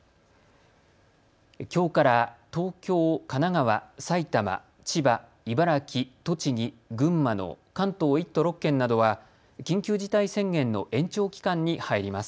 きょうから東京、神奈川、埼玉、千葉、茨城、栃木、群馬の関東１都６県などは緊急事態宣言の延長期間に入ります。